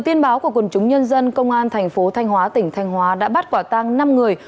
cơ quan điều tra của quần chúng nhân dân công an thành phố thanh hóa tỉnh thanh hóa đã bắt quả tăng năm người